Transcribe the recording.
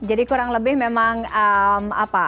jadi kurang lebih memang apa